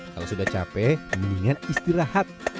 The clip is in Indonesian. kalau sudah capek mendingan istirahat